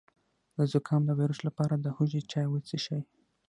د زکام د ویروس لپاره د هوږې چای وڅښئ